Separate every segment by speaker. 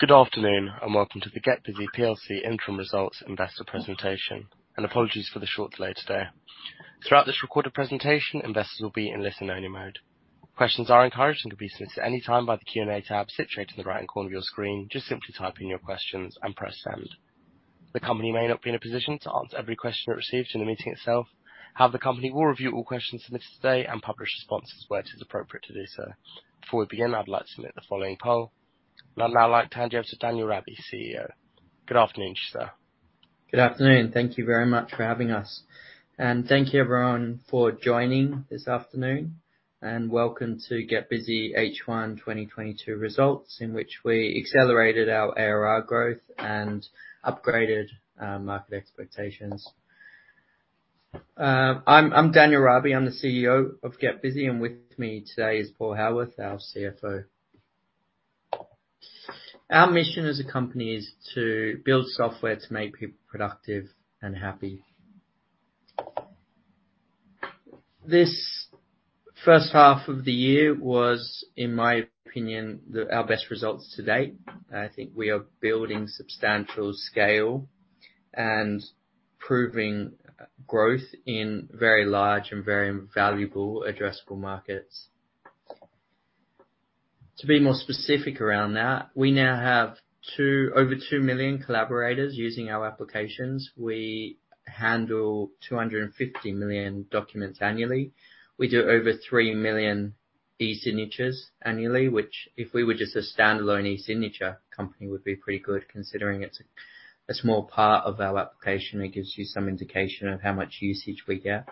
Speaker 1: Good afternoon, and welcome to the GetBusy plc interim results investor presentation, and apologies for the short delay today. Throughout this recorded presentation, investors will be in listen only mode. Questions are encouraged and can be submitted at any time by the Q&A tab situated in the right-hand corner of your screen. Just simply type in your questions and press send. The company may not be in a position to answer every question it receives in the meeting itself. However, the company will review all questions submitted today and publish responses where it is appropriate to do so. Before we begin, I'd like to submit the following poll. I'd now like to hand you over to Daniel Rabie, CEO. Good afternoon, sir.
Speaker 2: Good afternoon. Thank you very much for having us. Thank you everyone for joining this afternoon, and welcome to GetBusy H1 2022 results, in which we accelerated our ARR growth and upgraded market expectations. I'm Daniel Rabie, I'm the CEO of GetBusy, and with me today is Paul Haworth, our CFO. Our mission as a company is to build software to make people productive and happy. This first half of the year was, in my opinion, our best results to date. I think we are building substantial scale and proving growth in very large and very valuable addressable markets. To be more specific around that, we now have over 2 million collaborators using our applications. We handle 250 million documents annually. We do over 3 million e-signatures annually, which if we were just a standalone e-signature company, would be pretty good considering it's a small part of our application. It gives you some indication of how much usage we get.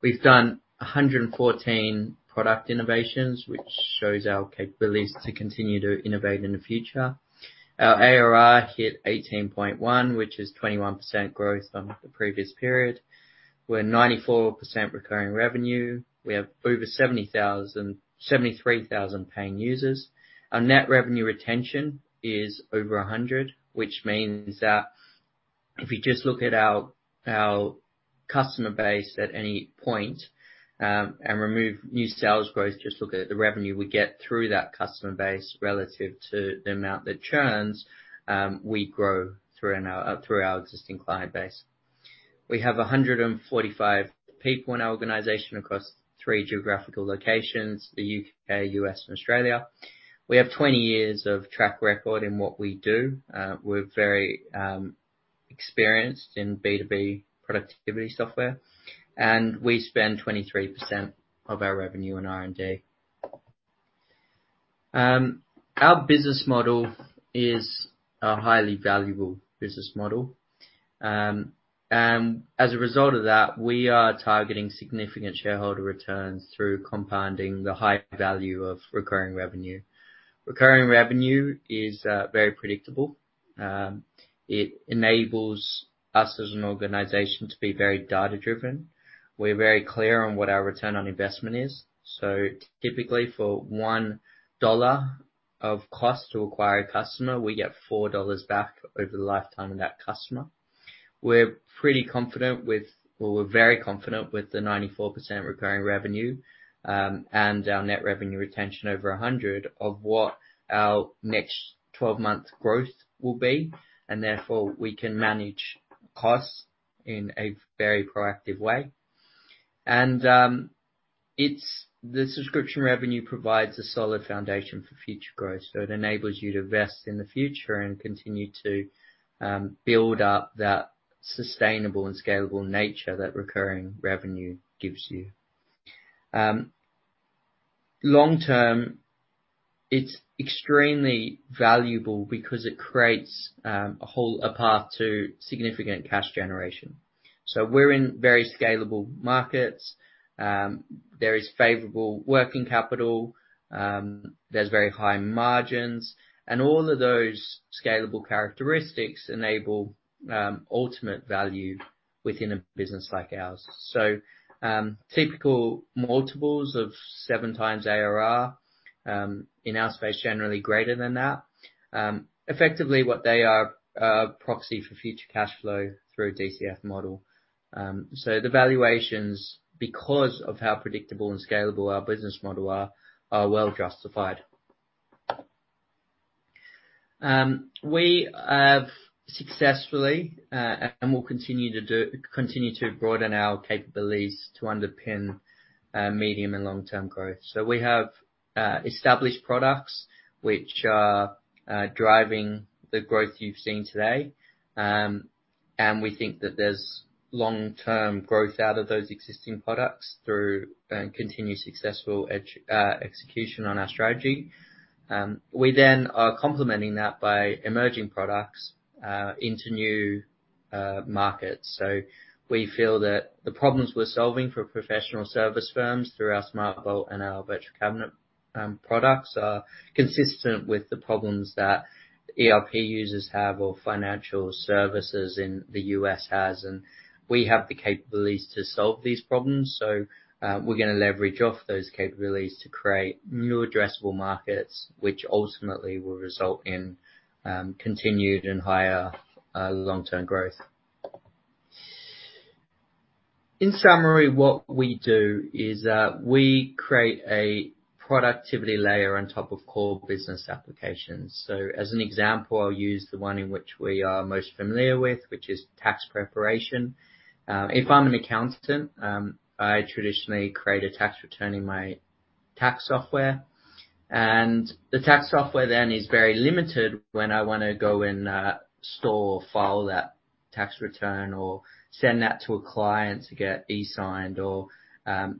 Speaker 2: We've done 114 product innovations, which shows our capabilities to continue to innovate in the future. Our ARR hit 18.1, which is 21% growth from the previous period. We're 94% recurring revenue. We have over 73,000 paying users. Our net revenue retention is over 100, which means that if you just look at our customer base at any point, and remove new sales growth, just look at the revenue we get through that customer base relative to the amount that churns, we grow through our existing client base. We have 145 people in our organization across three geographical locations: the U.K., U.S., and Australia. We have 20 years of track record in what we do. We're very experienced in B2B productivity software, and we spend 23% of our revenue on R&D. Our business model is a highly valuable business model. As a result of that, we are targeting significant shareholder returns through compounding the high value of recurring revenue. Recurring revenue is very predictable. It enables us as an organization to be very data driven. We're very clear on what our return on investment is. Typically, for $1 of cost to acquire a customer, we get $4 back over the lifetime of that customer. We're pretty confident with. Well, we're very confident with the 94% recurring revenue, and our net revenue retention over 100% of what our next 12-month growth will be, and therefore we can manage costs in a very proactive way. The subscription revenue provides a solid foundation for future growth. It enables you to invest in the future and continue to build up that sustainable and scalable nature that recurring revenue gives you. Long term, it's extremely valuable because it creates a path to significant cash generation. We're in very scalable markets. There is favorable working capital. There's very high margins, and all of those scalable characteristics enable ultimate value within a business like ours. Typical multiples of 7x ARR in our space, generally greater than that. Effectively what they are a proxy for future cash flow through a DCF model. The valuations, because of how predictable and scalable our business model are well justified. We have successfully and will continue to broaden our capabilities to underpin medium and long-term growth. We have established products which are driving the growth you've seen today, and we think that there's long-term growth out of those existing products through and continued successful execution on our strategy. We then are complementing that by emerging products into new markets. We feel that the problems we're solving for professional service firms through our SmartVault and our Virtual Cabinet products are consistent with the problems that ERP users have or financial services in the U.S. has, and we have the capabilities to solve these problems. We're gonna leverage off those capabilities to create new addressable markets, which ultimately will result in continued and higher long-term growth. In summary, what we do is that we create a productivity layer on top of core business applications. As an example, I'll use the one in which we are most familiar with, which is tax preparation. If I'm an accountant, I traditionally create a tax return in my tax software, and the tax software then is very limited when I wanna go and store or file that tax return or send that to a client to get e-signed or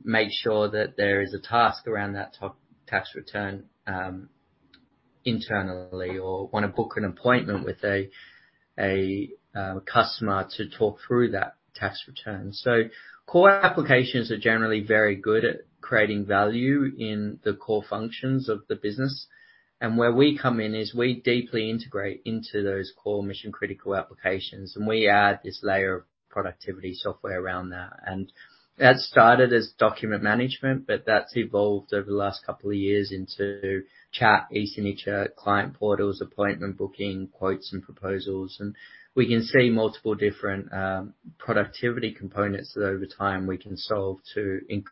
Speaker 2: make sure that there is a task around that tax return internally, or wanna book an appointment with a customer to talk through that tax return. Core applications are generally very good at creating value in the core functions of the business. Where we come in is we deeply integrate into those core mission-critical applications, and we add this layer of productivity software around that. That started as document management, but that's evolved over the last couple of years into chat, e-signature, client portals, appointment booking, quotes and proposals. We can see multiple different productivity components that over time we can solve to inc-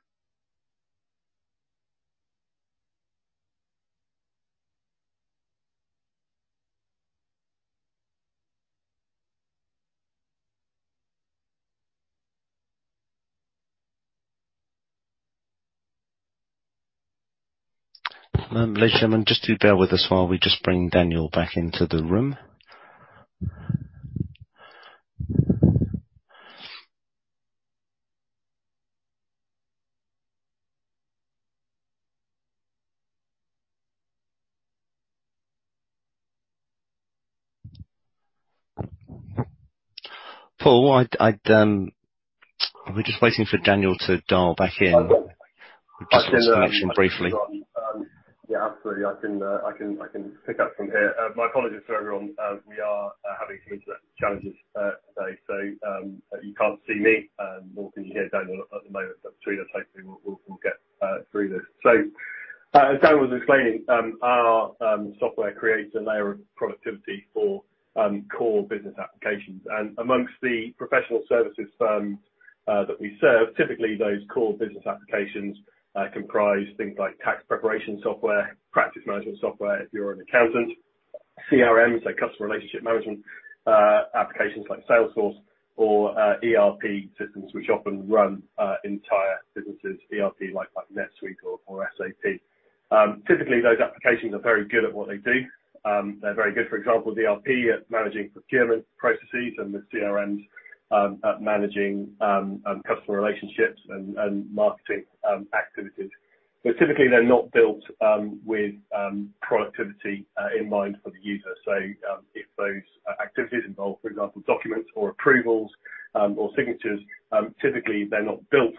Speaker 1: Ladies and gentlemen, just bear with us while we just bring Daniel back into the room. Paul, are we just waiting for Daniel to dial back in?
Speaker 3: I can.
Speaker 1: Just lost connection briefly.
Speaker 3: Yeah, absolutely. I can pick up from here. My apologies to everyone. We are having some internet challenges today. You can't see me, nor can you hear Daniel at the moment. Between us, hopefully, we'll get through this. As Daniel was explaining, our software creates a layer of productivity for core business applications. Among the professional services firms that we serve, typically those core business applications comprise things like tax preparation software, practice management software if you're an accountant, CRMs, so customer relationship management, applications like Salesforce or ERP systems which often run entire businesses, ERP like NetSuite or SAP. Typically, those applications are very good at what they do. They're very good, for example, ERP at managing procurement processes and the CRMs at managing customer relationships and marketing activities. Typically, they're not built with productivity in mind for the user. If those activities involve, for example, documents or approvals or signatures, typically they're not built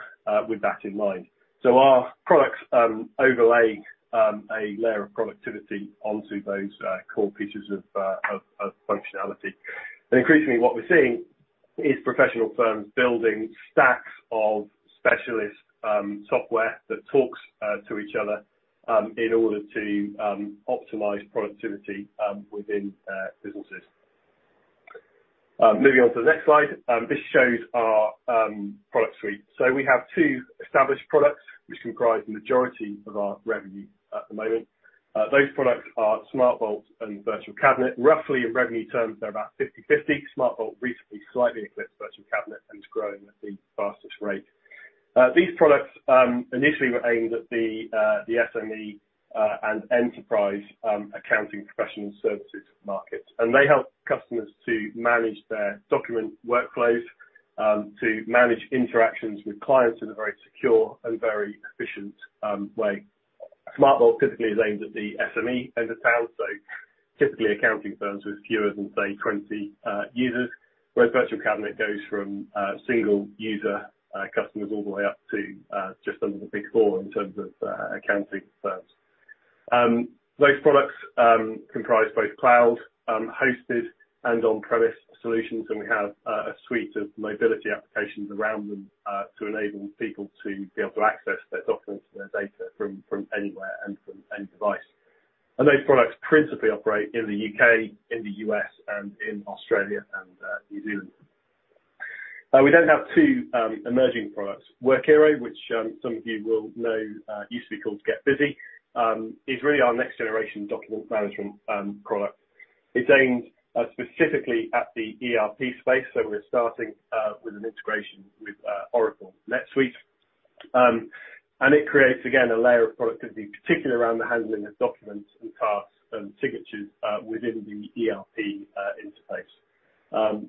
Speaker 3: with that in mind. Our products overlay a layer of productivity onto those core pieces of functionality. Increasingly what we're seeing is professional firms building stacks of specialist software that talks to each other in order to optimize productivity within their businesses. Moving on to the next slide, this shows our product suite. We have two established products which comprise the majority of our revenue at the moment. Those products are SmartVault and Virtual Cabinet. Roughly in revenue terms, they're about 50/50. SmartVault recently slightly eclipsed Virtual Cabinet and is growing at the fastest rate. These products initially were aimed at the SME and enterprise accounting professional services markets, and they help customers to manage their document workflows to manage interactions with clients in a very secure and very efficient way. SmartVault typically is aimed at the SME end of town, so typically accounting firms with fewer than, say, 20 users, whereas Virtual Cabinet goes from single user customers all the way up to just under the Big Four in terms of accounting firms. Those products comprise both cloud hosted and on-premise solutions, and we have a suite of mobility applications around them to enable people to be able to access their documents and their data from anywhere and from any device. Those products principally operate in the U.K., in the U.S. and in Australia and New Zealand. We then have two emerging products. Workiro, which some of you will know, used to be called GetBusy, is really our next generation document management product. It's aimed specifically at the ERP space, so we're starting with an integration with Oracle NetSuite. It creates, again, a layer of productivity, particularly around the handling of documents and tasks and signatures within the ERP interface.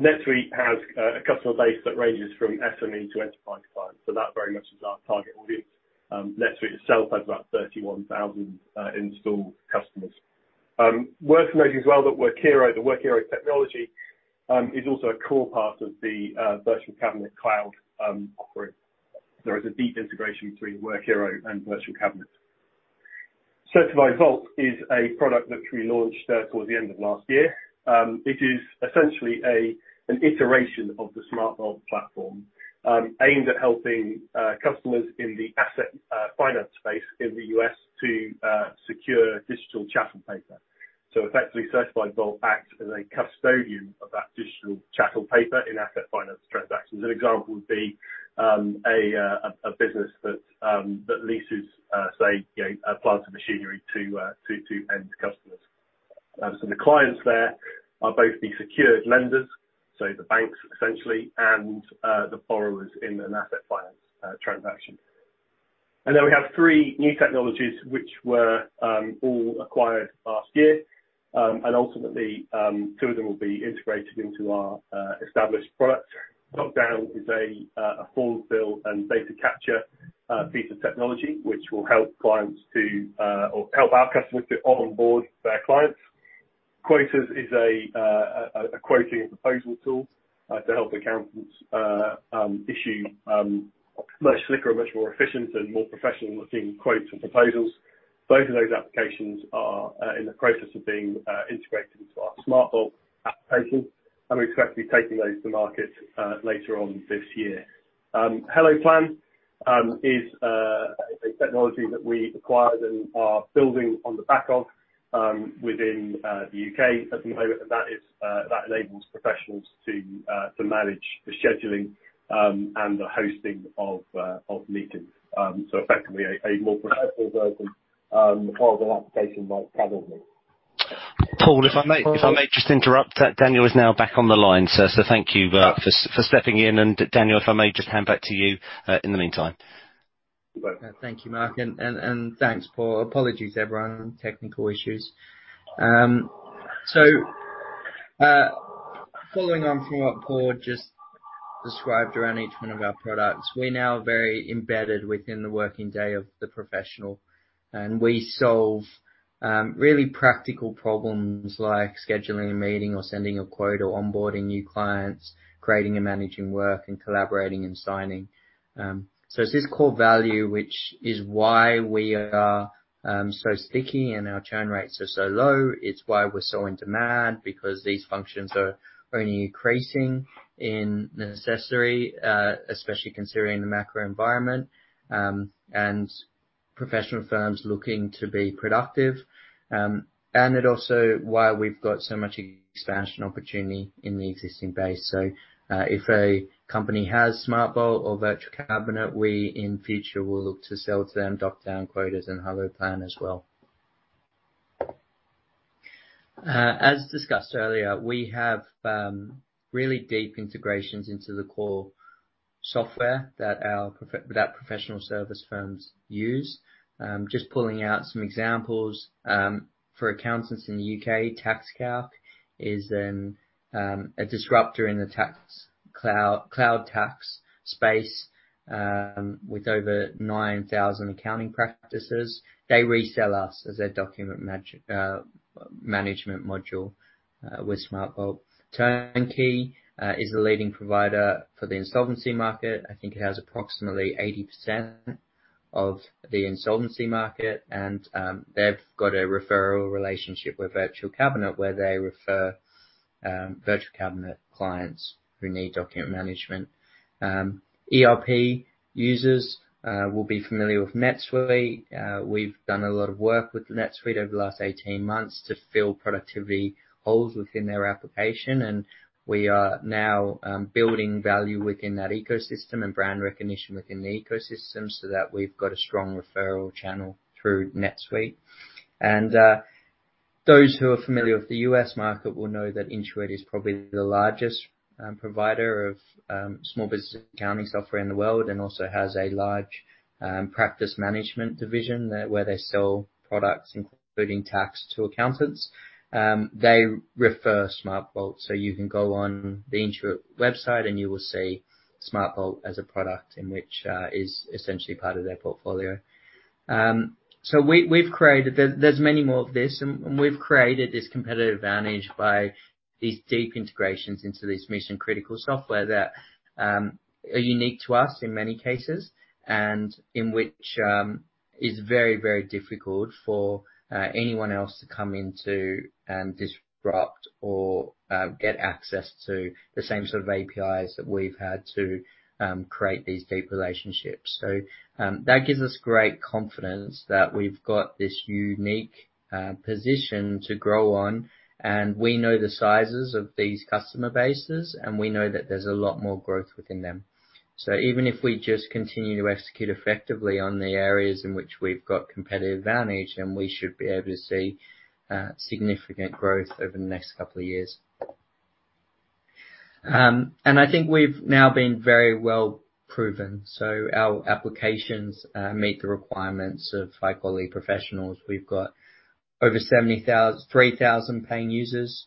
Speaker 3: NetSuite has a customer base that ranges from SME to enterprise clients, so that very much is our target audience. NetSuite itself has about 31,000 installed customers. Worth noting as well that Workiro, the Workiro technology, is also a core part of the Virtual Cabinet cloud offering. There is a deep integration between Workiro and Virtual Cabinet. Certified Vault is a product that we launched towards the end of last year. It is essentially an iteration of the SmartVault platform, aimed at helping customers in the asset finance space in the U.S. to secure digital chattel paper. So effectively Certified Vault acts as a custodian of that digital chattel paper in asset finance transactions. An example would be a business that leases, say, you know, plants and machinery to end customers. The clients there are both the secured lenders, so the banks essentially, and the borrowers in an asset finance transaction. We have three new technologies which were all acquired last year. Ultimately, two of them will be integrated into our established product. DocDown is a form fill and data capture piece of technology which will help our customers to onboard their clients. Quoters is a quoting and proposal tool to help accountants issue much slicker and much more efficient and more professional looking quotes and proposals. Both of those applications are in the process of being integrated into our SmartVault application, and we expect to be taking those to market later on this year. HelloPlan is a technology that we acquired and are building on the back of within the U.K. at the moment, and that enables professionals to manage the scheduling and the hosting of meetings. Effectively a more professional version of the calendar application by Calendly.
Speaker 1: Paul, if I may just interrupt. Daniel is now back on the line, sir. Thank you for stepping in. Daniel, if I may just hand back to you in the meantime.
Speaker 3: You're welcome.
Speaker 2: Thank you, Mark. Thanks, Paul. Apologies everyone, technical issues. Following on from what Paul just described around each one of our products, we're now very embedded within the working day of the professional, and we solve really practical problems like scheduling a meeting or sending a quote or onboarding new clients, creating and managing work, and collaborating and signing. It's this core value, which is why we are so sticky and our churn rates are so low. It's why we're so in demand, because these functions are only increasing in necessity, especially considering the macro environment, and professional firms looking to be productive. It's also why we've got so much expansion opportunity in the existing base. If a company has SmartVault or Virtual Cabinet, we in future will look to sell to them DocDown, Quoters and HelloPlan as well. As discussed earlier, we have really deep integrations into the core software that our professional service firms use. Just pulling out some examples, for accountants in the U.K., TaxCalc is a disruptor in the cloud tax space with over 9,000 accounting practices. They resell us as their document management module with SmartVault. Turnkey is the leading provider for the insolvency market. I think it has approximately 80% of the insolvency market and they've got a referral relationship with Virtual Cabinet, where they refer Virtual Cabinet clients who need document management. ERP users will be familiar with NetSuite. We've done a lot of work with NetSuite over the last 18 months to fill productivity holes within their application, and we are now building value within that ecosystem and brand recognition within the ecosystem so that we've got a strong referral channel through NetSuite. Those who are familiar with the U.S. market will know that Intuit is probably the largest provider of small business accounting software in the world, and also has a large practice management division where they sell products including tax to accountants. They refer SmartVault. You can go on the Intuit website and you will see SmartVault as a product which is essentially part of their portfolio. We've created-- There's many more of this and we've created this competitive advantage by these deep integrations into this mission critical software that are unique to us in many cases and in which is very, very difficult for anyone else to come into and disrupt or get access to the same sort of APIs that we've had to create these deep relationships. That gives us great confidence that we've got this unique position to grow on, and we know the sizes of these customer bases, and we know that there's a lot more growth within them. Even if we just continue to execute effectively on the areas in which we've got competitive advantage then we should be able to see significant growth over the next couple of years. I think we've now been very well proven, so our applications meet the requirements of high quality professionals. We've got over 3,000 paying users.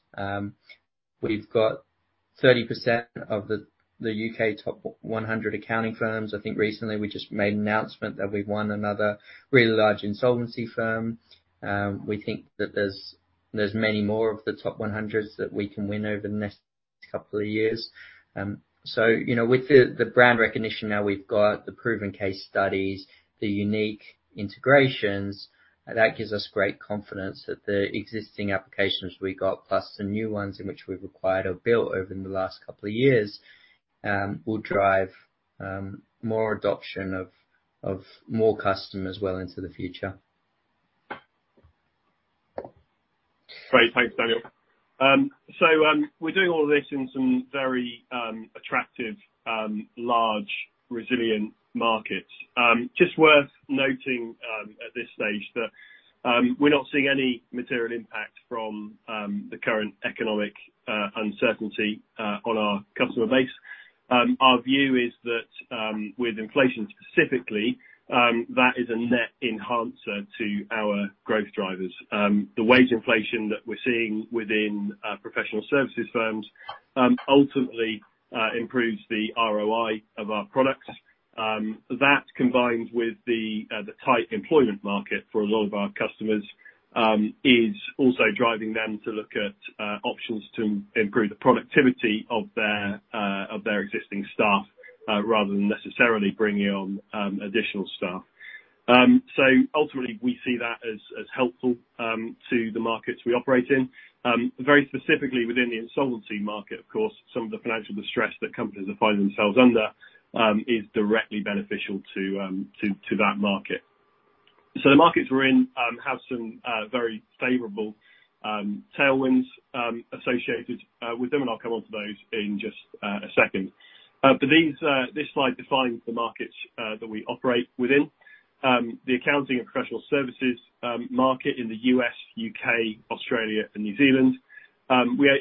Speaker 2: We've got 30% of the U.K. top 100 accounting firms. I think recently we just made an announcement that we've won another really large insolvency firm. We think that there's many more of the top 100s that we can win over the next couple of years. You know, with the brand recognition now we've got, the proven case studies, the unique integrations, that gives us great confidence that the existing applications we got, plus the new ones which we've acquired or built over the last couple of years, will drive more adoption of more customers well into the future.
Speaker 3: Great. Thanks, Daniel. We're doing all of this in some very attractive large resilient markets. Just worth noting at this stage that we're not seeing any material impact from the current economic uncertainty on our customer base. Our view is that with inflation specifically, that is a net enhancer to our growth drivers. The wage inflation that we're seeing within professional services firms ultimately improves the ROI of our products. That combined with the tight employment market for a lot of our customers is also driving them to look at options to improve the productivity of their existing staff rather than necessarily bringing on additional staff. Ultimately we see that as helpful to the markets we operate in. Very specifically within the insolvency market, of course, some of the financial distress that companies are finding themselves under is directly beneficial to that market. The markets we're in have some very favorable tailwinds associated with them, and I'll come onto those in just a second. This slide defines the markets that we operate within. The accounting and professional services market in the U.S., U.K., Australia and New Zealand.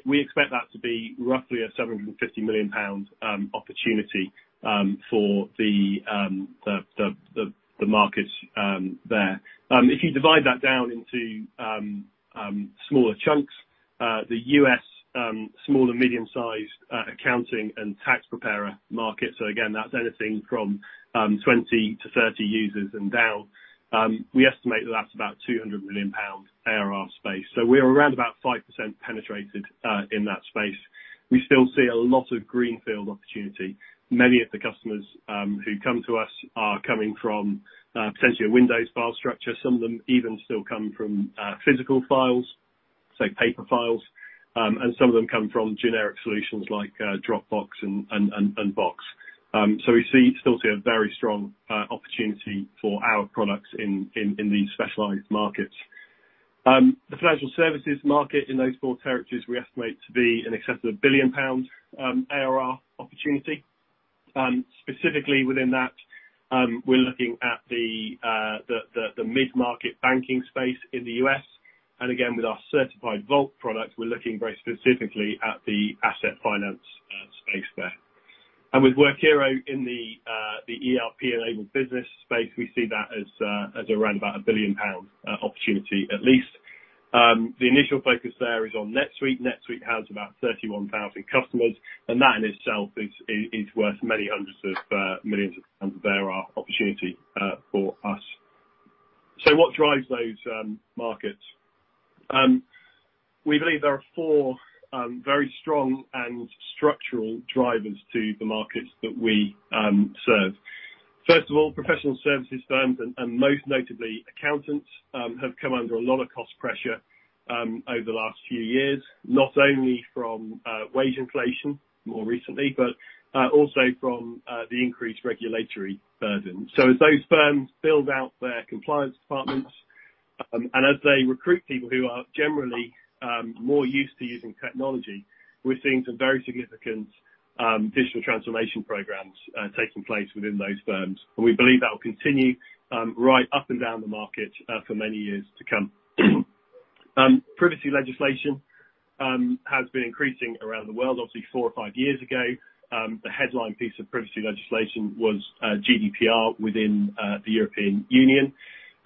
Speaker 3: We expect that to be roughly a 750 million pound opportunity for the markets there. If you divide that down into smaller chunks, the U.S. small and medium sized accounting and tax preparer market, so again, that's anything from 20-30 users and down, we estimate that that's about 200 million pound ARR space. We are around about 5% penetrated in that space. We still see a lot of greenfield opportunity. Many of the customers who come to us are coming from potentially a Windows file structure. Some of them even still come from physical files, say, paper files, and some of them come from generic solutions like Dropbox and Box. We still see a very strong opportunity for our products in these specialized markets. The financial services market in those four territories, we estimate to be in excess of 1 billion pound ARR opportunity. Specifically within that, we're looking at the mid-market banking space in the U.S., and again, with our Certified Vault products, we're looking very specifically at the asset finance space there. With Workiro in the ERP-enabled business space, we see that as around about a 1 billion pound opportunity at least. The initial focus there is on NetSuite. NetSuite has about 31,000 customers, and that in itself is worth many hundreds of millions of pounds of ARR opportunity for us. What drives those markets? We believe there are four very strong and structural drivers to the markets that we serve. First of all, professional services firms and most notably accountants have come under a lot of cost pressure over the last few years, not only from wage inflation more recently, but also from the increased regulatory burden. As those firms build out their compliance departments and as they recruit people who are generally more used to using technology, we're seeing some very significant digital transformation programs taking place within those firms. We believe that will continue right up and down the market for many years to come. Privacy legislation has been increasing around the world. Obviously, four or five years ago, the headline piece of privacy legislation was GDPR within the European Union.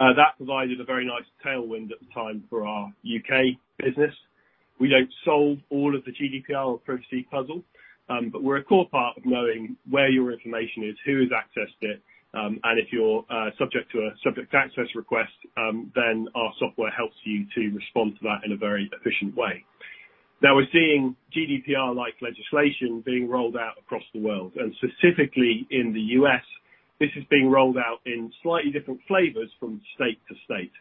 Speaker 3: That provided a very nice tailwind at the time for our U.K. business. We don't solve all of the GDPR privacy puzzle, but we're a core part of knowing where your information is, who has accessed it, and if you're subject to a subject access request, then our software helps you to respond to that in a very efficient way. Now, we're seeing GDPR-like legislation being rolled out across the world, and specifically in the U.S., this is being rolled out in slightly different flavors from state to state.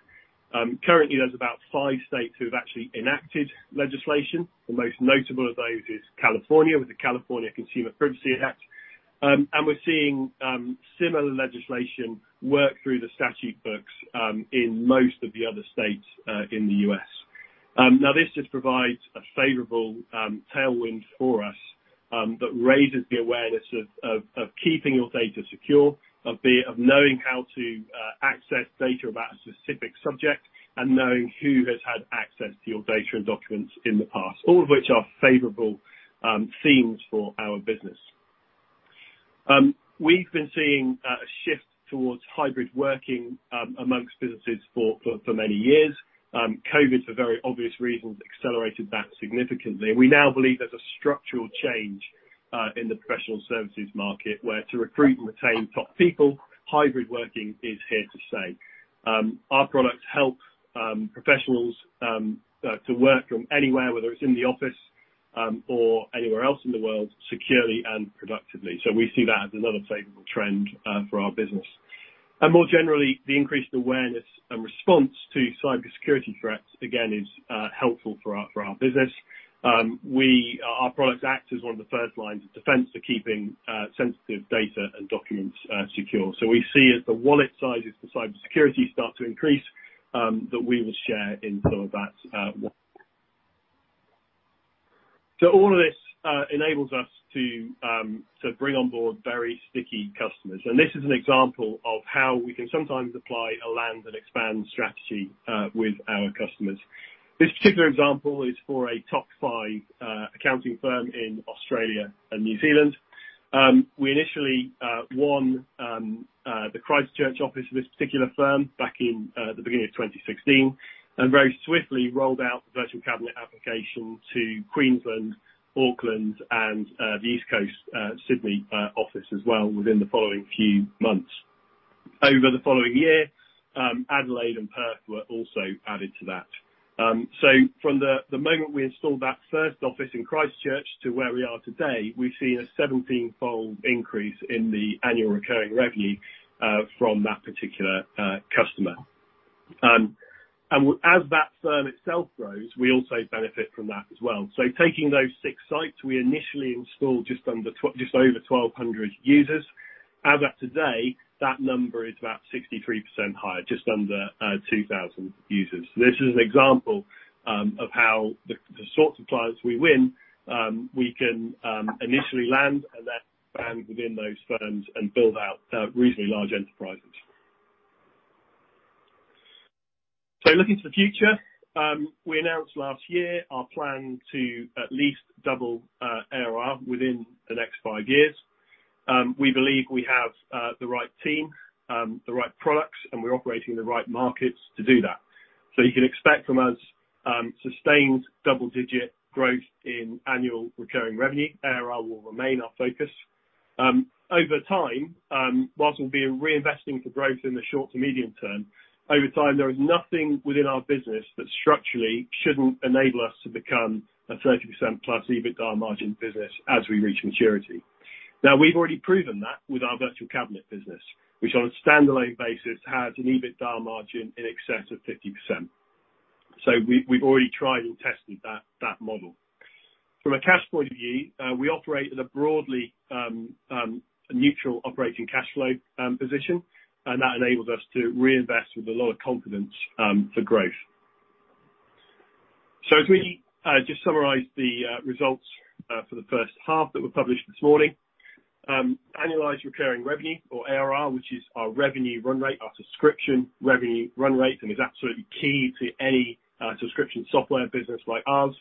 Speaker 3: Currently, there's about five states who have actually enacted legislation. The most notable of those is California, with the California Consumer Privacy Act. We're seeing similar legislation work through the statute books in most of the other states in the U.S. Now this just provides a favorable tailwind for us that raises the awareness of keeping your data secure, of knowing how to access data about a specific subject, and knowing who has had access to your data and documents in the past, all of which are favorable themes for our business. We've been seeing a shift towards hybrid working among businesses for many years. COVID, for very obvious reasons, accelerated that significantly. We now believe there's a structural change in the professional services market, where to recruit and retain top people, hybrid working is here to stay. Our products help professionals to work from anywhere, whether it's in the office or anywhere else in the world, securely and productively. We see that as another favorable trend for our business. More generally, the increased awareness and response to cybersecurity threats is helpful for our business. Our products act as one of the first lines of defense for keeping sensitive data and documents secure. We see as the wallet sizes for cybersecurity start to increase that we will share in some of that. All of this enables us to bring on board very sticky customers. This is an example of how we can sometimes apply a land and expand strategy with our customers. This particular example is for a top five accounting firm in Australia and New Zealand. We initially won the Christchurch office of this particular firm back in the beginning of 2016, and very swiftly rolled out the Virtual Cabinet application to Queensland, Auckland and the East Coast Sydney office as well within the following few months. Over the following year, Adelaide and Perth were also added to that. From the moment we installed that first office in Christchurch to where we are today, we've seen a 17-fold increase in the annual recurring revenue from that particular customer. As that firm itself grows, we also benefit from that as well. Taking those six sites, we initially installed just over 1,200 users. As at today, that number is about 63% higher, just under 2,000 users. This is an example of how the sorts of clients we win, we can initially land and then expand within those firms and build out reasonably large enterprises. Looking to the future, we announced last year our plan to at least double ARR within the next five years. We believe we have the right team, the right products, and we're operating in the right markets to do that. You can expect from us sustained double-digit growth in annual recurring revenue. ARR will remain our focus. Over time, whilst we'll be reinvesting for growth in the short to medium term, over time, there is nothing within our business that structurally shouldn't enable us to become a 30%+ EBITDA margin business as we reach maturity. We've already proven that with our Virtual Cabinet business, which on a standalone basis has an EBITDA margin in excess of 50%. We've already tried and tested that model. From a cash point of view, we operate at a broadly neutral operating cash flow position, and that enables us to reinvest with a lot of confidence for growth. As we just summarize the results for the first half that were published this morning, annualized recurring revenue or ARR, which is our revenue run rate, our subscription revenue run rate, and is absolutely key to any subscription software business like ours,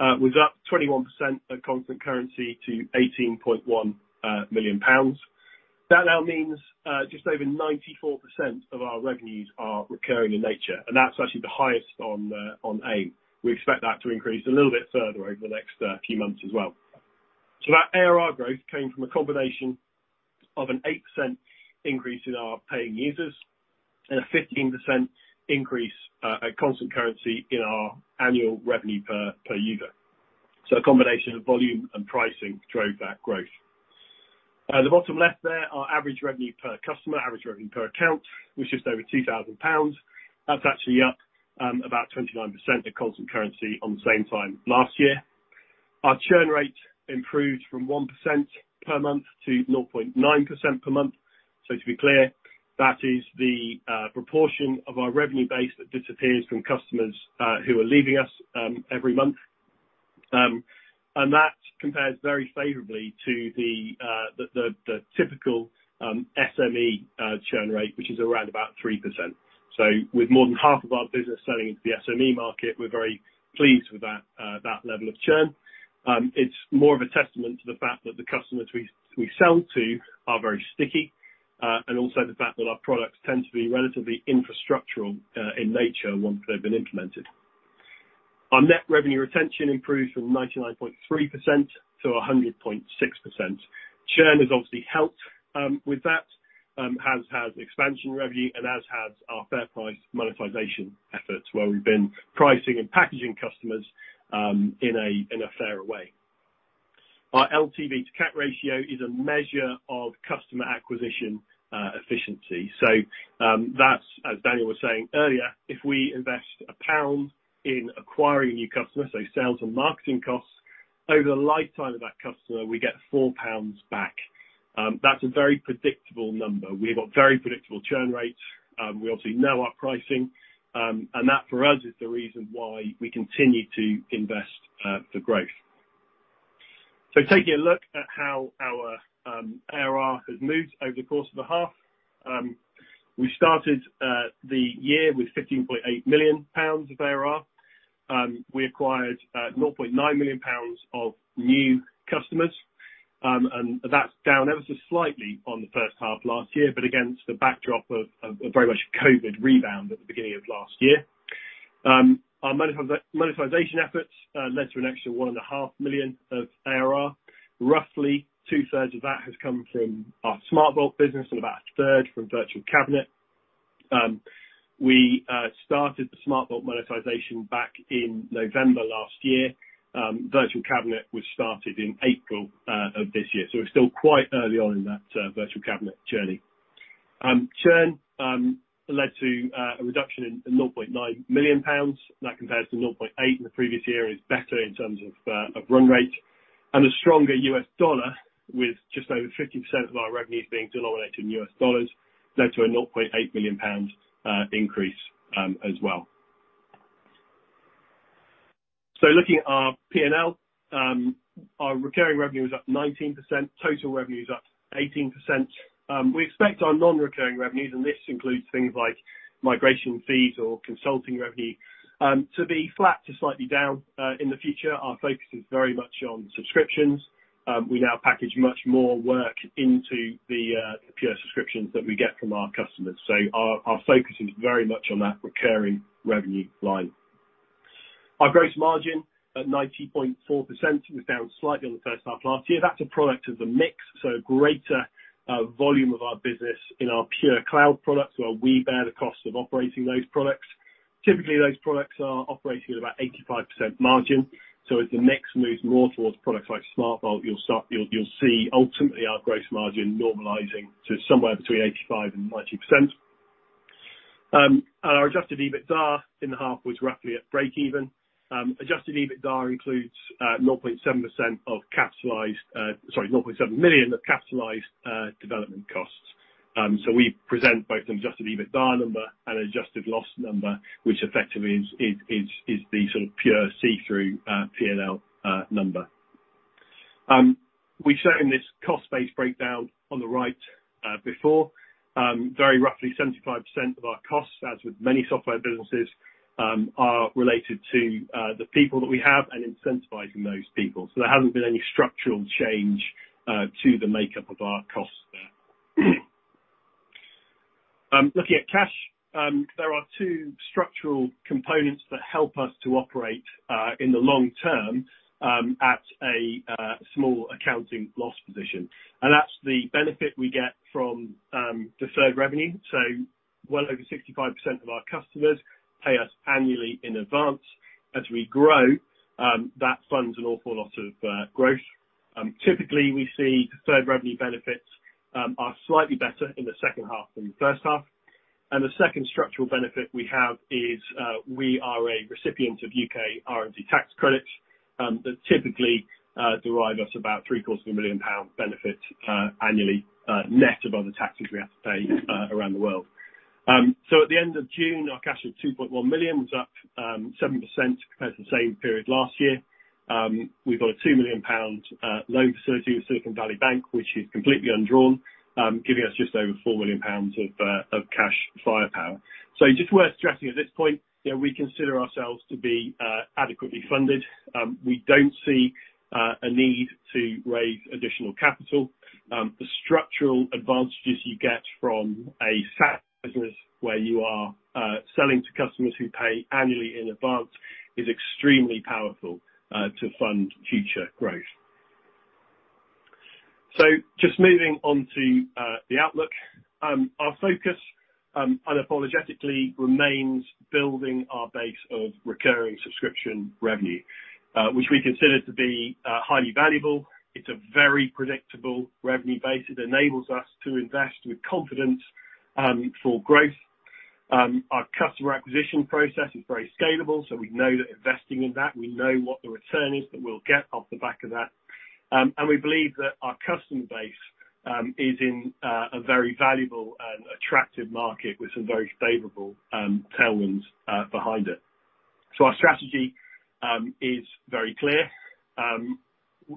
Speaker 3: was up 21% at constant currency to 18.1 million pounds. That now means just over 94% of our revenues are recurring in nature, and that's actually the highest on AIM. We expect that to increase a little bit further over the next few months as well. That ARR growth came from a combination of an 8% increase in our paying users and a 15% increase at constant currency in our annual revenue per user. A combination of volume and pricing drove that growth. At the bottom left there, our average revenue per customer, average revenue per account, was just over 2,000 pounds. That's actually up about 29% at constant currency on the same time last year. Our churn rate improved from 1% per month to 0.9% per month. To be clear, that is the proportion of our revenue base that disappears from customers who are leaving us every month. That compares very favorably to the typical SME churn rate, which is around about 3%. With more than half of our business selling into the SME market, we're very pleased with that level of churn. It's more of a testament to the fact that the customers we sell to are very sticky and also the fact that our products tend to be relatively infrastructural in nature once they've been implemented. Our net revenue retention improved from 99.3%-100.6%. Churn has obviously helped with that, has expansion revenue and has our fair price monetization efforts where we've been pricing and packaging customers in a fairer way. Our LTV to CAC ratio is a measure of customer acquisition efficiency. That's, as Daniel was saying earlier, if we invest GBP 1 in acquiring a new customer, so sales and marketing costs, over the lifetime of that customer, we get 4 pounds back. That's a very predictable number. We've got very predictable churn rates. We obviously know our pricing, and that for us is the reason why we continue to invest for growth. Taking a look at how our ARR has moved over the course of the half, we started the year with 15.8 million pounds of ARR. We acquired 0.9 million pounds of new customers, and that's down ever so slightly on the first half of last year, but against the backdrop of very much a COVID rebound at the beginning of last year. Our monetization efforts led to an extra one and a half million of ARR. Roughly 2/3 of that has come from our SmartVault business and about a third from Virtual Cabinet. We started the SmartVault monetization back in November last year. Virtual Cabinet was started in April of this year. We're still quite early on in that Virtual Cabinet journey. Churn led to a reduction in 0.9 million pounds. That compared to 0.8 million in the previous year is better in terms of run rate. A stronger U.S. dollar with just over 50% of our revenues being denominated in U.S. dollars led to a 0.8 million pounds increase, as well. Looking at our P&L, our recurring revenue is up 19%, total revenue is up 18%. We expect our non-recurring revenues, and this includes things like migration fees or consulting revenue, to be flat to slightly down in the future. Our focus is very much on subscriptions. We now package much more work into the pure subscriptions that we get from our customers. Our focus is very much on that recurring revenue line. Our gross margin at 90.4% was down slightly on the first half last year. That's a product of the mix, so a greater volume of our business in our pure cloud products, where we bear the cost of operating those products. Typically, those products are operating at about 85% margin. As the mix moves more towards products like SmartVault, you'll see ultimately our gross margin normalizing to somewhere between 85% and 90%. Our Adjusted EBITDA in the half was roughly at break-even. Adjusted EBITDA includes 0.7 million of capitalized development costs. We present both an Adjusted EBITDA number and an adjusted loss number, which effectively is the sort of pure see-through P&L number. We've shown this cost-based breakdown on the right before. Very roughly 75% of our costs, as with many software businesses, are related to the people that we have and incentivizing those people. There hasn't been any structural change to the makeup of our costs there. Looking at cash, there are two structural components that help us to operate in the long term at a small accounting loss position. That's the benefit we get from deferred revenue. Well over 65% of our customers pay us annually in advance. As we grow, that funds an awful lot of growth. Typically, we see deferred revenue benefits are slightly better in the second half than the first half. The second structural benefit we have is, we are a recipient of U.K. R&D tax credit, that typically delivers us about three-quarters of a million pound benefit, annually, net of other taxes we have to pay, around the world. At the end of June, our cash of 2.1 million was up 7% compared to the same period last year. We've got a 2 million pound loan facility with Silicon Valley Bank, which is completely undrawn, giving us just over 4 million pounds of cash firepower. Just worth stressing at this point that we consider ourselves to be adequately funded. We don't see a need to raise additional capital. The structural advantages you get from a SaaS business where you are selling to customers who pay annually in advance is extremely powerful to fund future growth. Just moving on to the outlook. Our focus unapologetically remains building our base of recurring subscription revenue, which we consider to be highly valuable. It's a very predictable revenue base. It enables us to invest with confidence for growth. Our customer acquisition process is very scalable, so we know that investing in that, we know what the return is that we'll get off the back of that. We believe that our customer base is in a very valuable and attractive market with some very favorable tailwinds behind it. Our strategy is very clear.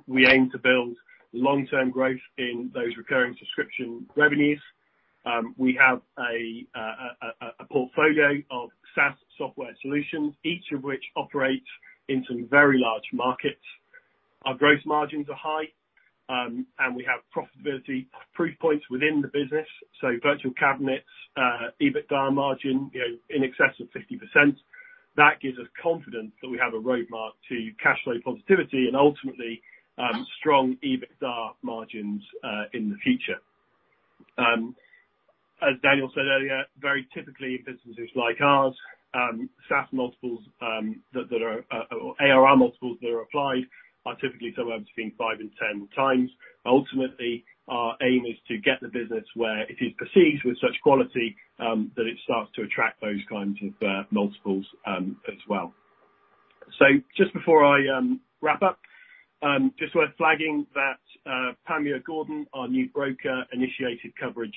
Speaker 3: We aim to build long-term growth in those recurring subscription revenues. We have a portfolio of SaaS software solutions, each of which operates in some very large markets. Our growth margins are high, and we have profitability proof points within the business, so Virtual Cabinet's EBITDA margin, you know, in excess of 50%. That gives us confidence that we have a roadmap to cash flow positivity and ultimately, strong EBITDA margins in the future. As Daniel said earlier, very typically, in businesses like ours, SaaS multiples that are ARR multiples that are applied are typically somewhere between 5x and 10x. Ultimately, our aim is to get the business where it is perceived with such quality that it starts to attract those kinds of multiples as well. Just before I wrap up, just worth flagging that Panmure Gordon, our new broker, initiated coverage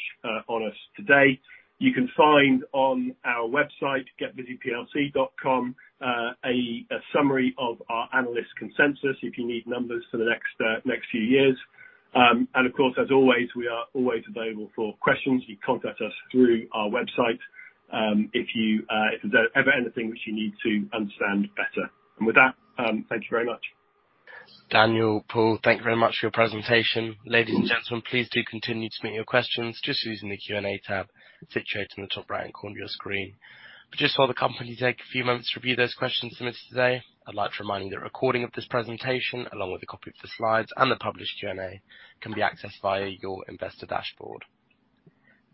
Speaker 3: on us today. You can find on our website, getbusyplc.com, a summary of our analyst consensus if you need numbers for the next few years. Of course, as always, we are always available for questions. You contact us through our website if there's ever anything which you need to understand better. With that, thank you very much.
Speaker 1: Daniel, Paul, thank you very much for your presentation. Ladies and gentlemen, please do continue to submit your questions just using the Q&A tab situated in the top right corner of your screen. Just while the company take a few moments to review those questions submitted today, I'd like to remind you that a recording of this presentation, along with a copy of the slides and the published Q&A, can be accessed via your investor dashboard.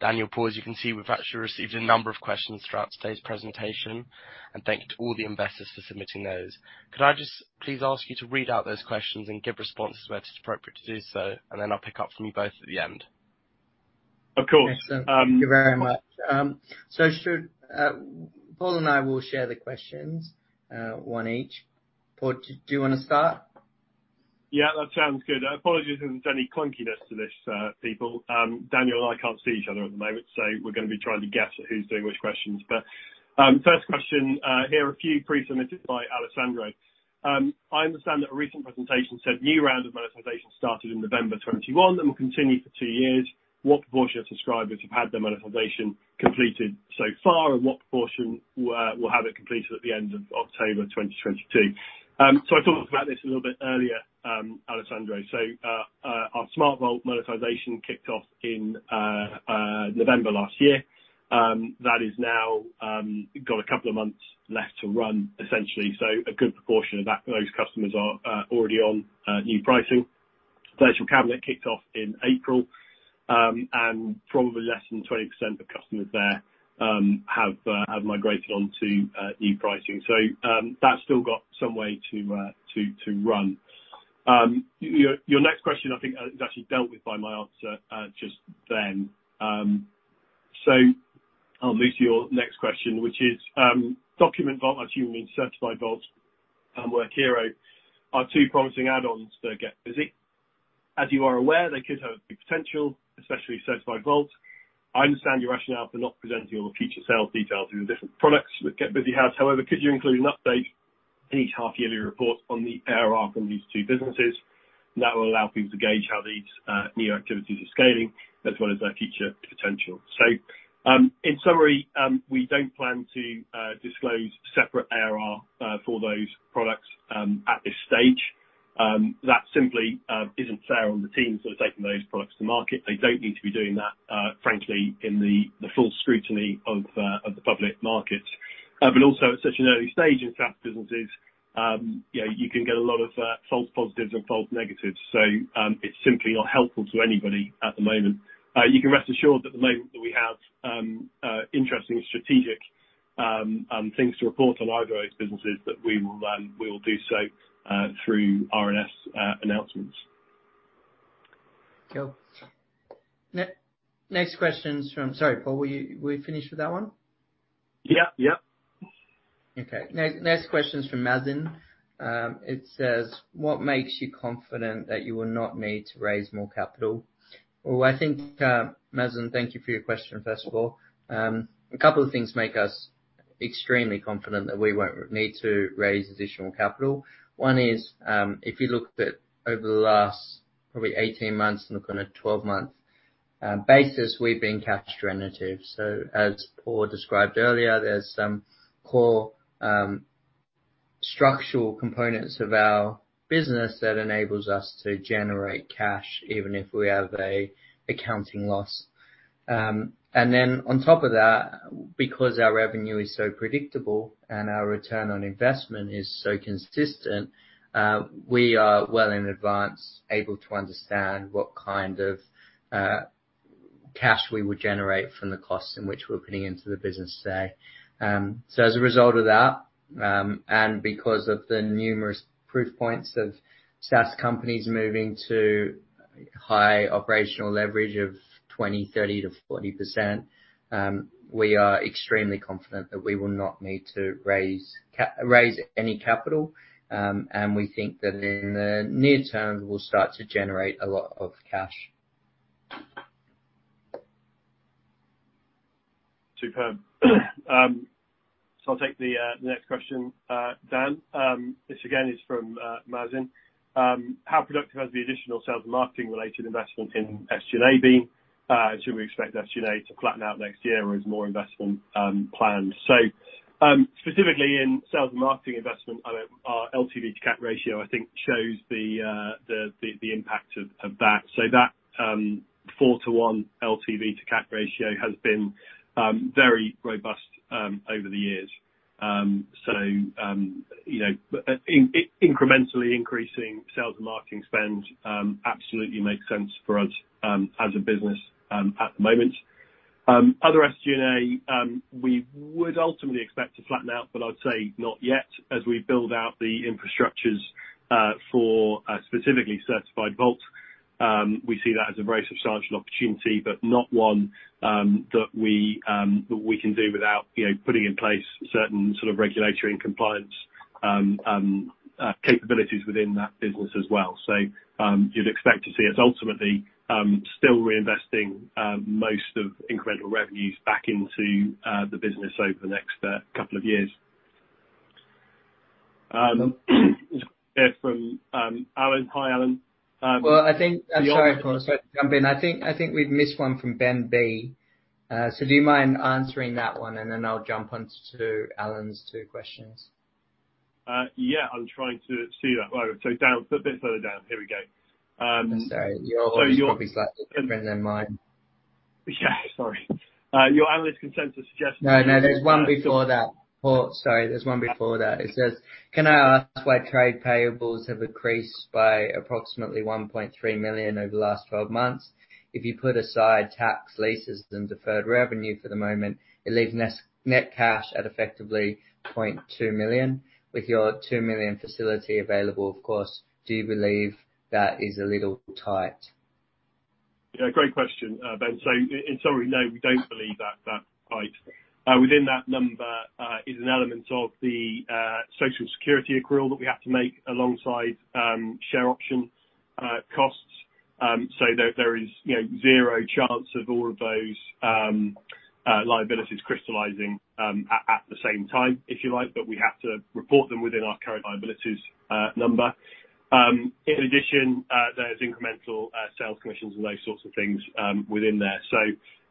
Speaker 1: Daniel, Paul, as you can see, we've actually received a number of questions throughout today's presentation, and thank you to all the investors for submitting those. Could I just please ask you to read out those questions and give responses where it's appropriate to do so, and then I'll pick up from you both at the end?
Speaker 3: Of course.
Speaker 2: Excellent. Thank you very much. Paul and I will share the questions, one each. Paul, do you wanna start?
Speaker 3: Yeah, that sounds good. I apologize if there's any clunkiness to this, people. Daniel and I can't see each other at the moment, so we're gonna be trying to guess at who's doing which questions. First question, here are a few pre-submitted by Alessandro. I understand that a recent presentation said new round of monetization started in November 2021, and will continue for two years. What proportion of subscribers have had their monetization completed so far, and what proportion will have it completed at the end of October in 2022? I talked about this a little bit earlier, Alessandro. Our SmartVault monetization kicked off in November last year. That is now got a couple of months left to run, essentially, so a good proportion of that, those customers are already on new pricing. Virtual Cabinet kicked off in April, and probably less than 20% of customers there have migrated onto new pricing. That's still got some way to run. Your next question I think is actually dealt with by my answer just then. I'll move to your next question, which is, Certified Vault, I assume you mean Certified Vault and Workiro, are two promising add-ons for GetBusy. As you are aware, they could have a big potential, especially Certified Vault. I understand your rationale for not presenting all the future sales details of your different products that GetBusy has. However, could you include an update in each half-yearly report on the ARR from these two businesses? That will allow people to gauge how these new activities are scaling as well as their future potential. In summary, we don't plan to disclose separate ARR for those products at this stage. That simply isn't fair on the teams that are taking those products to market. They don't need to be doing that, frankly, in the full scrutiny of the public market. Also, at such an early stage in SaaS businesses, you know, you can get a lot of false positives and false negatives, so it's simply not helpful to anybody at the moment. You can rest assured at the moment that we have interesting strategic things to report on either of those businesses, that we will do so through RNS announcements.
Speaker 2: Cool. Next question's from-- Sorry, Paul, were you? We finished with that one?
Speaker 3: Yeah. Yep.
Speaker 2: Okay. Next question is from Mazen. It says, "What makes you confident that you will not need to raise more capital?" Well, I think, Mazen, thank you for your question, first of all. A couple of things make us extremely confident that we won't need to raise additional capital. One is, if you looked at over the last probably 18-months and look on a 12-month basis, we've been cash generative. As Paul described earlier, there's some core structural components of our business that enables us to generate cash even if we have an accounting loss. On top of that, because our revenue is so predictable and our return on investment is so consistent, we are well in advance able to understand what kind of cash we would generate from the costs in which we're putting into the business today. As a result of that, and because of the numerous proof points of SaaS companies moving to high operational leverage of 20%, 30%-40%, we are extremely confident that we will not need to raise any capital, and we think that in the near term we'll start to generate a lot of cash.
Speaker 3: I'll take the next question, Dan. This again is from Mazen. How productive has the additional sales and marketing related investment in SG&A been? Should we expect SG&A to flatten out next year or is more investment planned? Specifically in sales and marketing investment, I know our LTV to CAC ratio I think shows the impact of that. That 4:1 LTV to CAC ratio has been very robust over the years. You know, incrementally increasing sales and marketing spend absolutely makes sense for us as a business at the moment. Other SG&A, we would ultimately expect to flatten out, but I'd say not yet. As we build out the infrastructures for specifically Certified Vault, we see that as a very substantial opportunity, but not one that we can do without, you know, putting in place certain sort of regulatory and compliance capabilities within that business as well. You'd expect to see us ultimately still reinvesting most of incremental revenues back into the business over the next couple of years. There from Alan. Hi, Alan.
Speaker 2: I think I'm sorry, Paul. Sorry to jump in. I think we've missed one from Ben B. Do you mind answering that one, and then I'll jump onto Alan's two questions?
Speaker 3: Yeah. I'm trying to see that. Right, so down, bit further down. Here we go.
Speaker 2: I'm sorry. Your list is probably slightly different than mine.
Speaker 3: Yeah, sorry. Your analyst consensus suggests.
Speaker 2: No, sorry, there's one before that. It says, "Can I ask why trade payables have increased by approximately 1.3 million over the last 12-months? If you put aside tax leases and deferred revenue for the moment, it leaves net cash at effectively 0.2 million. With your 2 million facility available, of course, do you believe that is a little tight?
Speaker 3: Yeah, great question, Ben. In summary, no, we don't believe that tight. Within that number is an element of the social security accrual that we have to make alongside share option costs. There is, you know, zero chance of all of those liabilities crystallizing at the same time, if you like, but we have to report them within our current liabilities number. In addition, there's incremental sales commissions and those sorts of things within there.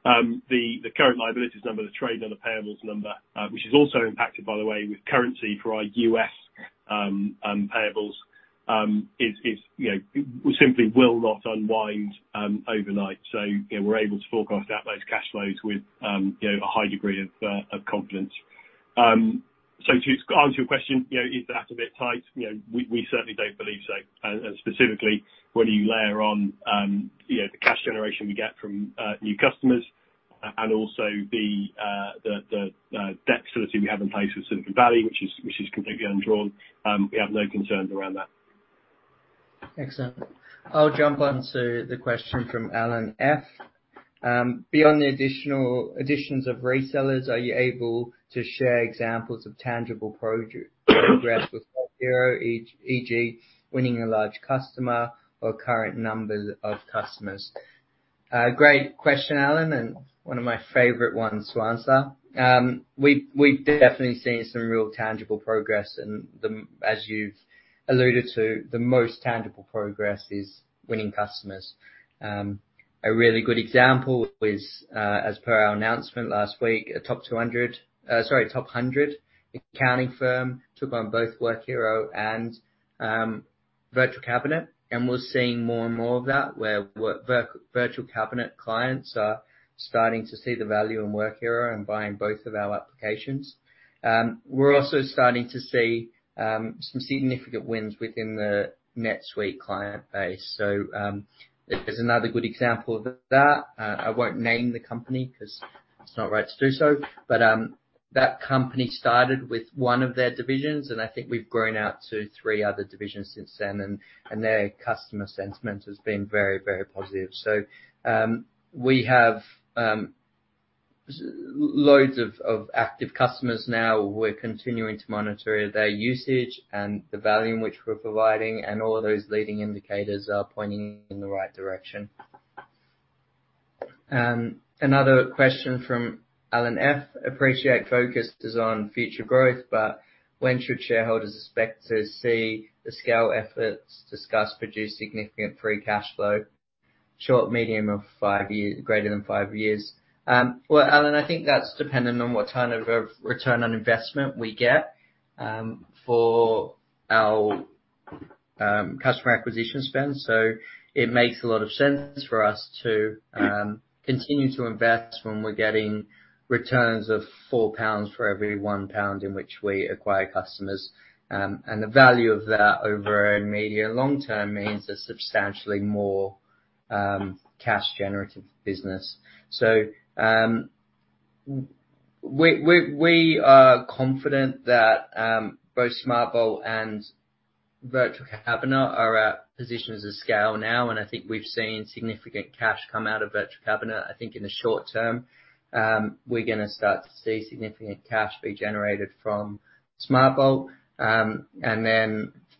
Speaker 3: The current liabilities number, the trade and other payables number, which is also impacted, by the way, with currency for our U.S. payables, is, you know. We simply will not unwind overnight. You know, we're able to forecast out those cash flows with a high degree of confidence. To answer your question, you know, is that a bit tight? You know, we certainly don't believe so. Specifically, when you layer on the cash generation we get from new customers and also the debt facility we have in place with Silicon Valley, which is completely undrawn, we have no concerns around that.
Speaker 2: Excellent. I'll jump onto the question from Alan F. Beyond the additional additions of resellers, are you able to share examples of tangible progress with Workiro, e.g., winning a large customer or current numbers of customers? Great question, Alan, and one of my favorite ones to answer. We've definitely seen some real tangible progress. As you've alluded to, the most tangible progress is winning customers. A really good example is, as per our announcement last week, a top 200, sorry, top 100 accounting firm took on both Workiro and Virtual Cabinet. We're seeing more and more of that, where Virtual Cabinet clients are starting to see the value in Workiro and buying both of our applications. We're also starting to see some significant wins within the NetSuite client base. There's another good example of that. I won't name the company 'cause it's not right to do so. That company started with one of their divisions, and I think we've grown out to three other divisions since then. Their customer sentiment has been very positive. We have loads of active customers now. We're continuing to monitor their usage and the value in which we're providing, and all of those leading indicators are pointing in the right direction. Another question from Alan F. Appreciate focus is on future growth, but when should shareholders expect to see the scale efforts discussed produce significant free cash flow? Short, medium or five years, greater than five years? Alan, I think that's dependent on what kind of return on investment we get for our customer acquisition spend. It makes a lot of sense for us to continue to invest when we're getting returns of 4 pounds for every 1 pound in which we acquire customers. The value of that over a medium, long term means a substantially more cash generative business. We are confident that both SmartVault and Virtual Cabinet are at positions of scale now, and I think we've seen significant cash come out of Virtual Cabinet. I think in the short term, we're gonna start to see significant cash be generated from SmartVault.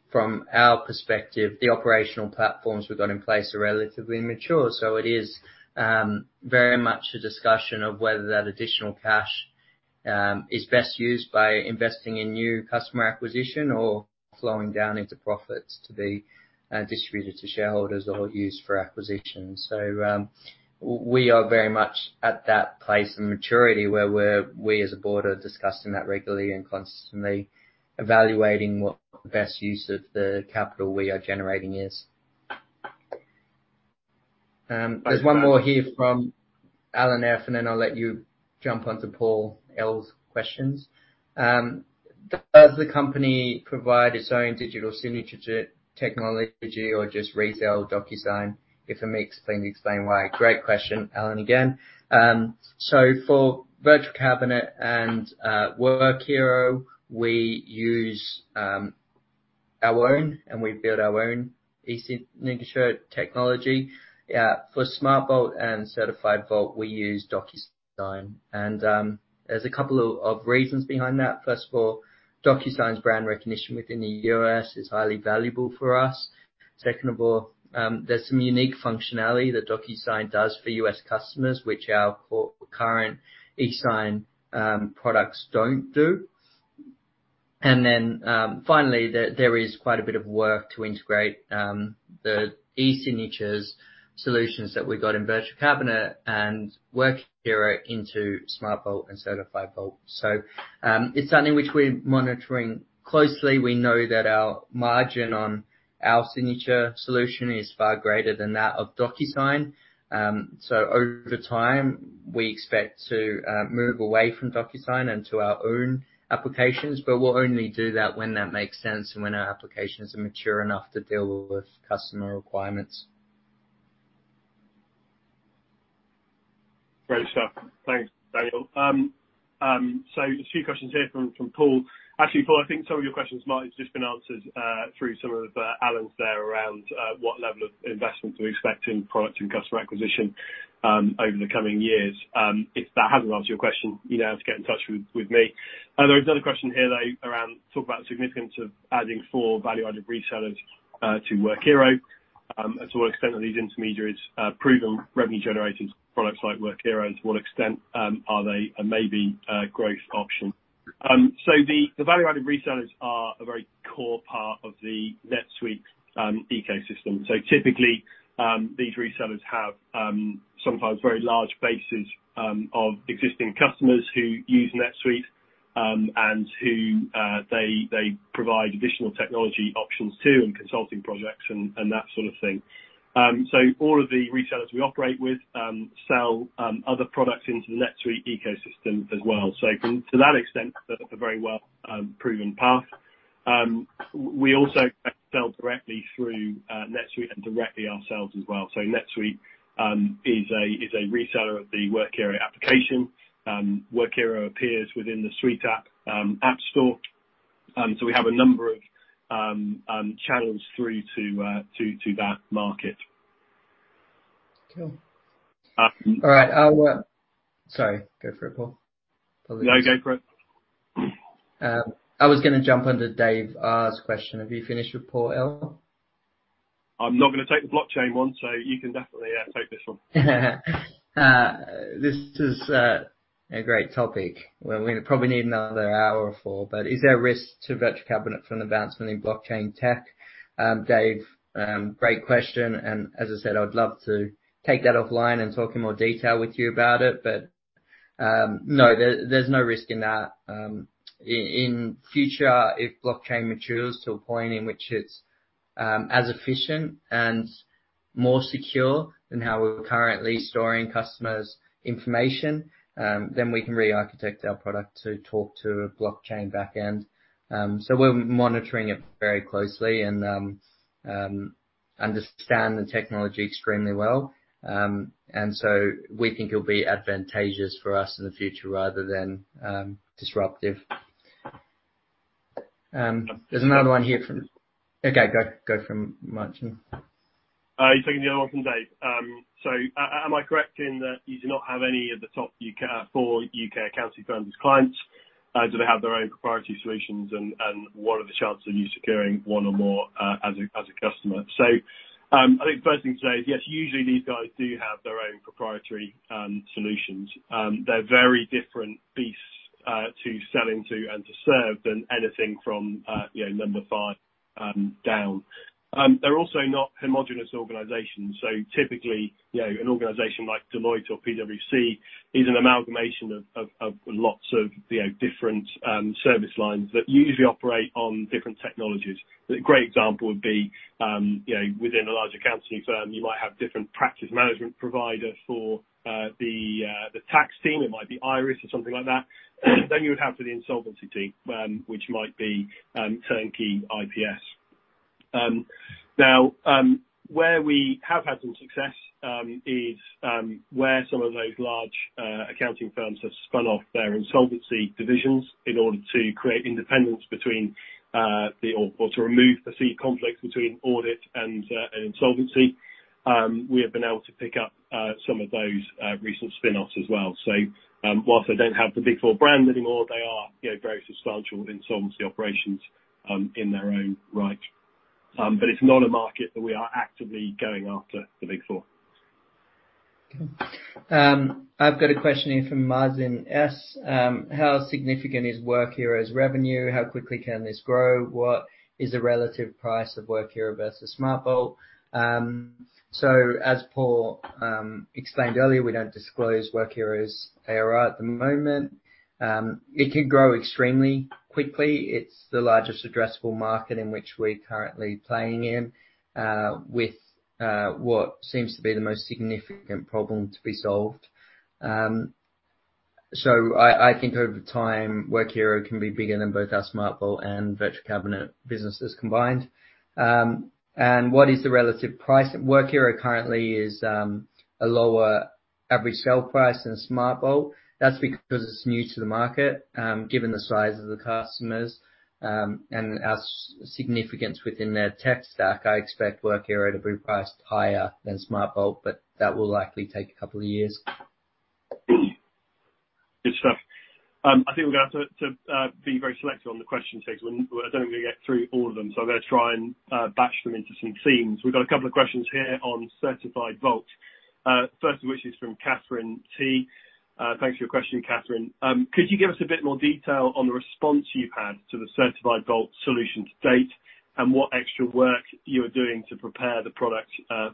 Speaker 2: From our perspective, the operational platforms we've got in place are relatively mature. It is very much a discussion of whether that additional cash is best used by investing in new customer acquisition or flowing down into profits to be distributed to shareholders or used for acquisitions. We are very much at that place of maturity where we as a board are discussing that regularly and constantly evaluating what the best use of the capital we are generating is. There's one more here from Alan F., and then I'll let you jump onto Paul L's questions. Does the company provide its own digital signature technology or just retail DocuSign? If it makes sense, explain why. Great question, Alan, again. For Virtual Cabinet and Workiro, we use our own, and we build our own e-signature technology. For SmartVault and Certified Vault, we use DocuSign. There's a couple of reasons behind that. First of all, DocuSign's brand recognition within the U.S. is highly valuable for us. Second of all, there's some unique functionality that DocuSign does for U.S. customers which our current eSign products don't do. Finally, there is quite a bit of work to integrate the e-signatures solutions that we got in Virtual Cabinet and Workiro into SmartVault and Certified Vault. It's something which we're monitoring closely. We know that our margin on our signature solution is far greater than that of DocuSign. Over time, we expect to move away from DocuSign and to our own applications, but we'll only do that when that makes sense and when our applications are mature enough to deal with customer requirements.
Speaker 3: Great stuff. Thanks, Daniel. Just a few questions here from Paul. Actually, Paul, I think some of your questions might have just been answered through some of the answers there around what level of investment to expect in product and customer acquisition over the coming years. If that hasn't answered your question, you know how to get in touch with me. There is another question here, though, around talk about the significance of adding four value-added resellers to Workiro. To what extent are these intermediaries proven revenue generating products like Workiro, and to what extent are they a maybe growth option? The value-added resellers are a very core part of the NetSuite ecosystem. Typically, these resellers have sometimes very large bases of existing customers who use NetSuite, and who they provide additional technology options to, and consulting projects and that sort of thing. All of the resellers we operate with sell other products into the NetSuite ecosystem as well. To that extent, a very well proven path. We also sell directly through NetSuite and directly ourselves as well. NetSuite is a reseller of the Workiro application. Workiro appears within the SuiteApp app store. We have a number of channels through to that market.
Speaker 2: Cool.
Speaker 3: Um-
Speaker 2: All right. I'll, sorry, go for it, Paul.
Speaker 3: No, go for it.
Speaker 2: I was gonna jump onto Dave R's question. Have you finished with Paul, Al?
Speaker 3: I'm not gonna take the blockchain one, so you can definitely, yeah, take this one.
Speaker 2: This is a great topic. We're gonna probably need another hour or four. Is there a risk to Virtual Cabinet from the advancement in blockchain tech? Dave, great question, and as I said, I would love to take that offline and talk in more detail with you about it. No, there's no risk in that. In future, if blockchain matures to a point in which it's as efficient and more secure than how we're currently storing customers' information, then we can re-architect our product to talk to a blockchain back end. We're monitoring it very closely and understand the technology extremely well. We think it'll be advantageous for us in the future rather than disruptive. There's another one here from. Okay, go from Martin.
Speaker 3: You're taking the other one from Dave. Am I correct in that you do not have any of the top four U.K. accounting firms as clients? Do they have their own proprietary solutions? What are the chances of you securing one or more as a customer? I think first thing to say is, yes, usually these guys do have their own proprietary solutions. They're very different beasts to selling to and serving than anything from, you know, number five down. They're also not homogeneous organizations. Typically, you know, an organization like Deloitte or PwC is an amalgamation of lots of, you know, different service lines that usually operate on different technologies. The great example would be, you know, within a larger accounting firm, you might have different practice management provider for the tax team. It might be IRIS or something like that. Then you would have for the insolvency team, which might be Turnkey IPS. Now, where we have had some success is where some of those large accounting firms have spun off their insolvency divisions in order to create independence between the or to remove the perceived conflict between audit and insolvency. We have been able to pick up some of those recent spinoffs as well. Whilst they don't have the Big Four brand anymore, they are, you know, very substantial insolvency operations in their own right. It's not a market that we are actively going after the Big Four.
Speaker 2: I've got a question in from Martin S. How significant is Workiro's revenue? How quickly can this grow? What is the relative price of Workiro versus SmartVault? As Paul explained earlier, we don't disclose Workiro's ARR at the moment. It can grow extremely quickly. It's the largest addressable market in which we're currently playing in, with what seems to be the most significant problem to be solved. I think over time, Workiro can be bigger than both our SmartVault and Virtual Cabinet businesses combined. What is the relative price? Workiro currently is a lower average sale price than SmartVault. That's because it's new to the market. Given the size of the customers, and our significance within their tech stack, I expect Workiro to be priced higher than SmartVault, but that will likely take a couple of years.
Speaker 3: Good stuff. I think we're gonna have to be very selective on the question takes. We're definitely gonna get through all of them, so I'm gonna try and batch them into some themes. We've got a couple of questions here on Certified Vault. First of which is from Catherine T. Thanks for your question, Catherine. Could you give us a bit more detail on the response you've had to the Certified Vault solution to date, and what extra work you're doing to prepare the product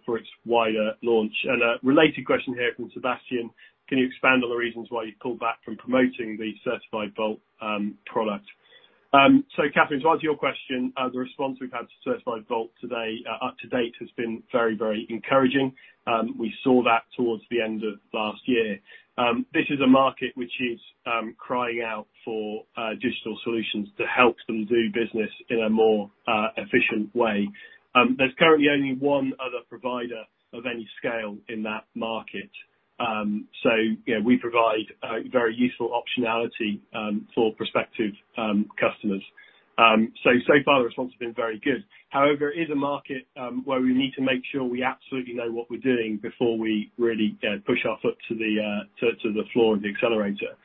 Speaker 3: for its wider launch? A related question here from Sebastian. Can you expand on the reasons why you've pulled back from promoting the Certified Vault product? Catherine, to answer your question, the response we've had to Certified Vault today, up to date, has been very, very encouraging. We saw that towards the end of last year. This is a market which is crying out for digital solutions to help them do business in a more efficient way. There's currently only one other provider of any scale in that market. You know, we provide very useful optionality for prospective customers. So far the response has been very good. However, it is a market where we need to make sure we absolutely know what we're doing before we really push our foot to the floor and the accelerator.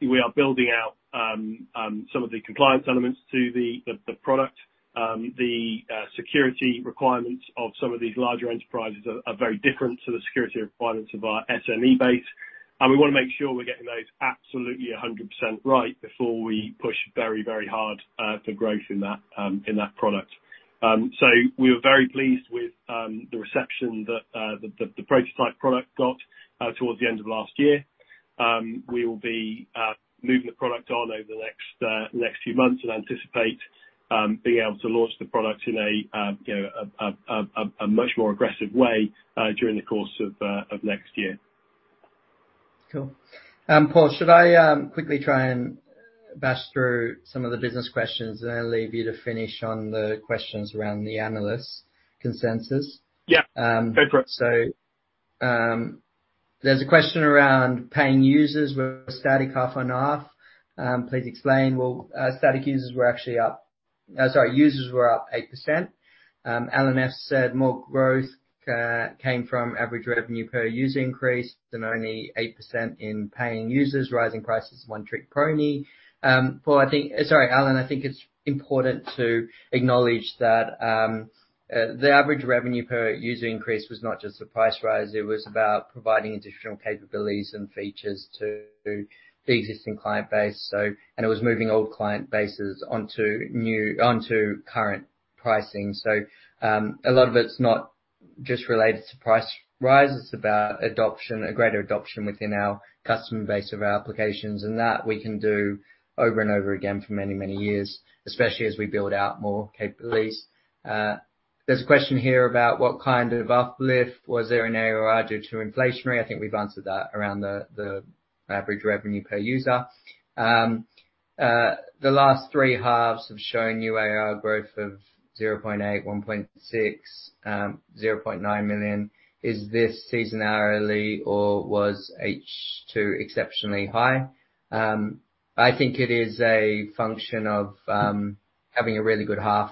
Speaker 3: We are building out some of the compliance elements to the product. The security requirements of some of these larger enterprises are very different to the security requirements of our SME base. We wanna make sure we're getting those absolutely 100% right before we push very, very hard for growth in that product. We were very pleased with the reception that the prototype product got towards the end of last year. We will be moving the product on over the next few months, and anticipate being able to launch the product in a you know, a much more aggressive way during the course of next year.
Speaker 2: Cool. Paul, should I quickly try and bash through some of the business questions, and then I'll leave you to finish on the questions around the analysts' consensus?
Speaker 3: Yeah.
Speaker 2: Um-
Speaker 3: Go for it.
Speaker 2: There's a question around paying users were static half on half. Please explain. Well, users were up 8%. [inaudible] said more growth came from average revenue per user increase than only 8% in paying users rising prices one-trick pony. Alan, I think it's important to acknowledge that the average revenue per user increase was not just the price rise, it was about providing additional capabilities and features to the existing client base. It was moving old client bases onto current pricing. A lot of it's not just related to price rise, it's about adoption, a greater adoption within our customer base of our applications. That we can do over and over again for many, many years, especially as we build out more capabilities. There's a question here about what kind of uplift was there in ARR due to inflation? I think we've answered that around the average revenue per user. The last three halves have shown you ARR growth of 0.8 million, 1.6 million, 0.9 million. Is this seasonality or was H2 exceptionally high? I think it is a function of having a really good half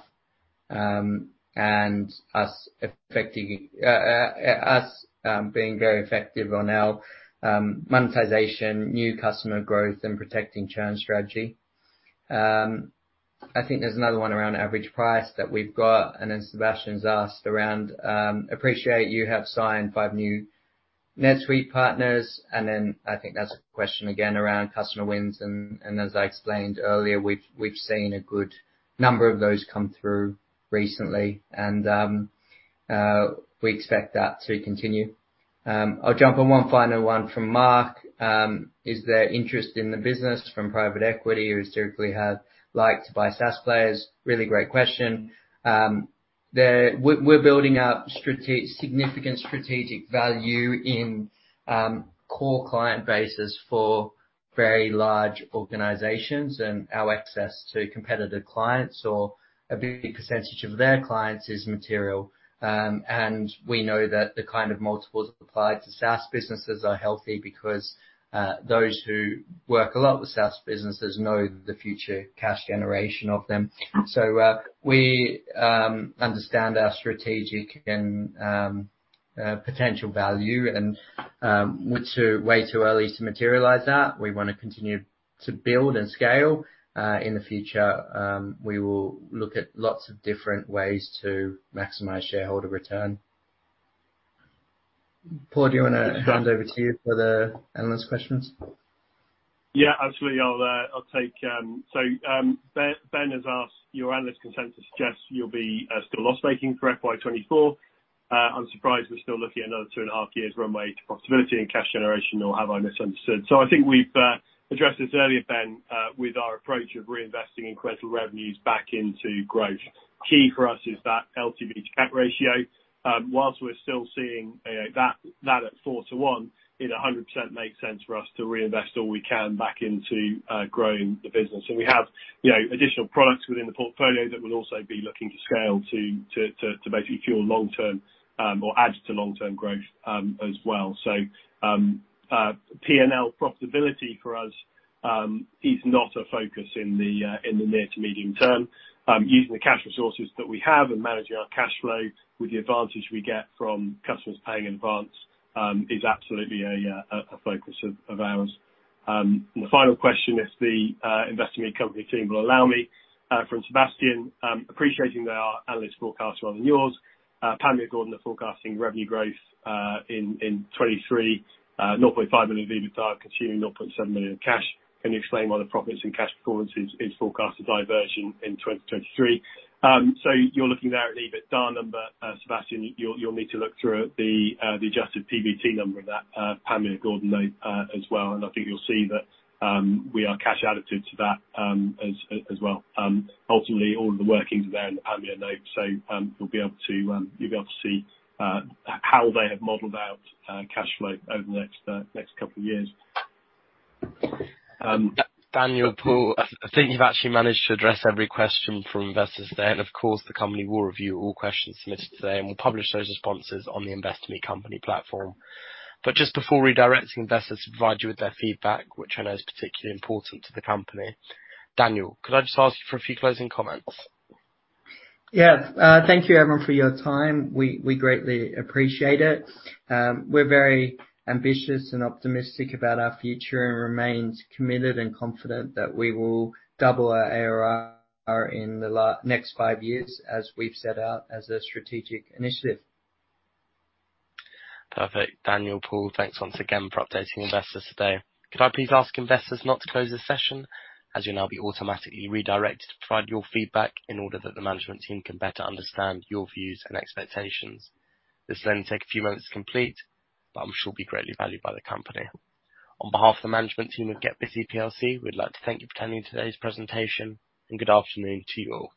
Speaker 2: and us being very effective on our monetization, new customer growth, and protecting churn strategy. I think there's another one around average price that we've got, and then Sebastian's asked around, appreciate you have signed five new NetSuite partners, and then I think that's a question again around customer wins. As I explained earlier, we've seen a good number of those come through recently. We expect that to continue. I'll jump on one final one from Mark. Is there interest in the business from private equity who historically have liked to buy SaaS players? Really great question. We're building up significant strategic value in core client bases for very large organizations and our access to competitive clients or a big percentage of their clients is material. We know that the kind of multiples applied to SaaS businesses are healthy because those who work a lot with SaaS businesses know the future cash generation of them. We understand our strategic and potential value and we're way too early to materialize that. We wanna continue to build and scale. In the future, we will look at lots of different ways to maximize shareholder return. Paul, do you wanna hand over to you for the analyst questions?
Speaker 3: Yeah, absolutely. Ben has asked, your analyst consensus suggests you'll be still loss-making for FY 2024. I'm surprised we're still looking at another two and a half years runway to profitability and cash generation, or have I misunderstood? I think we've addressed this earlier, Ben, with our approach of reinvesting incremental revenues back into growth. Key for us is that LTV to CAC ratio. While we're still seeing that at 4:1, it 100% makes sense for us to reinvest all we can back into growing the business. We have, you know, additional products within the portfolio that we'll also be looking to scale to basically fuel long-term or add to long-term growth as well. P&L profitability for us is not a focus in the near to medium term. Using the cash resources that we have and managing our cash flow with the advantage we get from customers paying in advance is absolutely a focus of ours. The final question, if the investment company team will allow me, from Sebastian. Appreciating that our analysts' forecast rather than yours, Panmure Gordon are forecasting revenue growth in 2023, 0.5 million EBITDAR consuming 0.7 million cash. Can you explain why the profits and cash performance is forecast to diverge in 2023? You're looking there at an EBITDAR number, Sebastian. You'll need to look through the adjusted PBT number of that Panmure Gordon note, as well. I think you'll see that we are cash additive to that, as well. Ultimately all of the workings are there in the Panmure Gordon notes. You'll be able to see how they have modeled out cash flow over the next couple of years.
Speaker 2: Um-
Speaker 1: Daniel, Paul, I think you've actually managed to address every question from investors there. Of course, the company will review all questions submitted today, and we'll publish those responses on the Investor Meet Company platform. Just before redirecting investors to provide you with their feedback, which I know is particularly important to the company, Daniel, could I just ask you for a few closing comments?
Speaker 2: Yeah. Thank you everyone for your time. We greatly appreciate it. We're very ambitious and optimistic about our future and remains committed and confident that we will double our ARR in the next five years, as we've set out as a strategic initiative.
Speaker 1: Perfect. Daniel, Paul, thanks once again for updating investors today. Could I please ask investors not to close this session, as you'll now be automatically redirected to provide your feedback in order that the management team can better understand your views and expectations. This will only take a few moments to complete, but I'm sure it'll be greatly valued by the company. On behalf of the management team of GetBusy plc, we'd like to thank you for attending today's presentation, and good afternoon to you all.